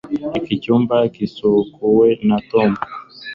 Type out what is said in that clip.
Iki cyumba gisukuwe na Tom